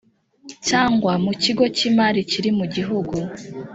cyangwa mu kigo cy imari kiri mu Gihugu